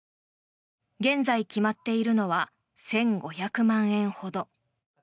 現在決まっているのは１５００万円ほど。